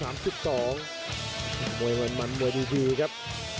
มวยมันมวยดีครับ